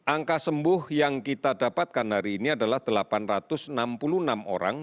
angka sembuh yang kita dapatkan hari ini adalah delapan ratus enam puluh enam orang